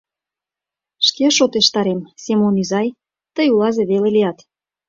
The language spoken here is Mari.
— Шке шотештарем, Семон изай, тый улазе веле лият.